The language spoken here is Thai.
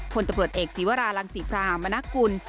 คนตำรวจเอกศิวาราหลังศรีพระหามนักกุล